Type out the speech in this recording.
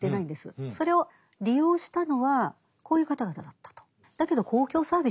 それを利用したのはこういう方々だったと。